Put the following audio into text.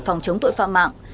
phòng chống tội phạm mạng